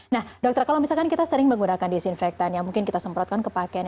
nah dokter kalau misalkan kita sering menggunakan disinfektan yang mungkin kita semprotkan ke pakaian